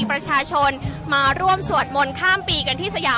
อาจจะออกมาใช้สิทธิ์กันแล้วก็จะอยู่ยาวถึงในข้ามคืนนี้เลยนะคะ